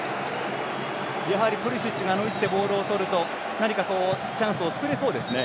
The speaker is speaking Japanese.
やはり、プリシッチがあの位置でボールをとるとチャンスを作れそうですね。